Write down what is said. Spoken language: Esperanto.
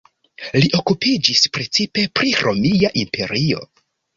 Li okupiĝis precipe pri Romia Imperio.